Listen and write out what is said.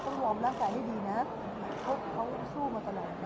วอร์มร่างกายให้ดีนะเขาสู้มาตลอด